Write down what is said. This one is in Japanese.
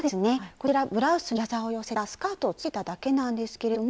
こちらブラウスにギャザーを寄せたスカートをつけただけなんですけれども。